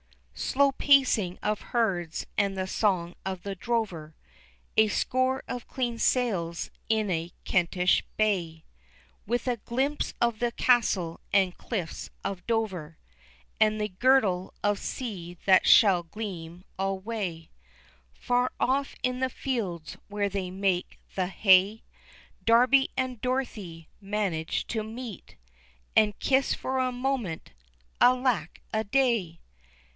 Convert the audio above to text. Slow pacing of herds and the song of the drover; A score of clean sails in a Kentish bay, With a glimpse of the castle and cliffs of Dover, And the girdle of sea that shall gleam alway; Far off in the fields where they make the hay Darby and Dorothy manage to meet, And kiss for a moment alack a day!